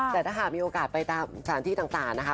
แต่ถ้าหากมีโอกาสไปตามสถานที่ต่างนะคะ